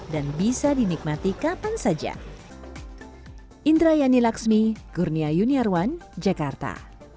dan bisa dinikmati kapan saja